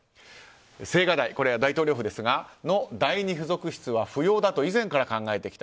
青瓦台、大統領府ですが第２付属室は不要だと以前から考えてきた。